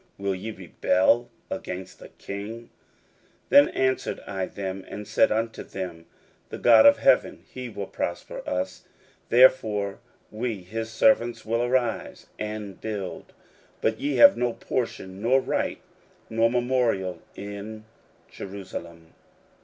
will ye rebel against the king? 16:002:020 Then answered I them, and said unto them, The God of heaven, he will prosper us; therefore we his servants will arise and build: but ye have no portion, nor right, nor memorial, in Jerusalem.